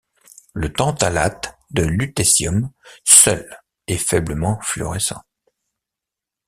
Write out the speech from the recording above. Le tantalate de lutécium seul est faiblement fluorescent.